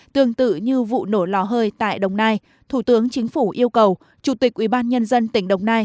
tương tự như vụ nổ lò hơi tại đồng nai thủ tướng chính phủ yêu cầu chủ tịch ubnd tỉnh đồng nai